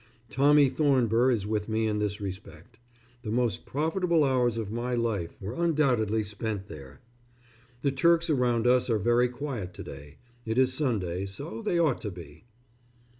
Tommy Thornber is with me in this respect. The most profitable hours of my life were undoubtedly spent there.... The Turks around us are very quiet to day. It is Sunday, so they ought to be.